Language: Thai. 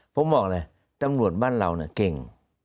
ผมบอกเลยตำรวจบ้านเราเก่ง